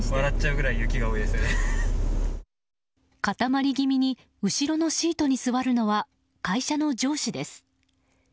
固まり気味に後ろのシートに座るのは会社の上司です。